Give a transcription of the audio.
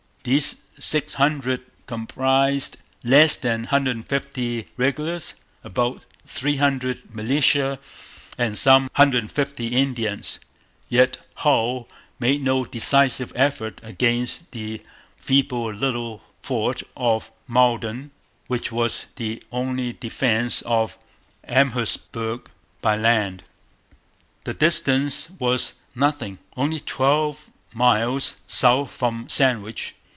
These six hundred comprised less than 150 regulars, about 300 militia, and some 150 Indians. Yet Hull made no decisive effort against the feeble little fort of Malden, which was the only defence of Amherstburg by land. The distance was nothing, only twelve miles south from Sandwich.